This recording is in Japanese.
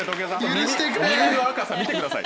耳の赤さ見てください